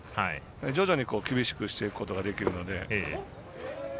徐々に厳しくしていくことができるので。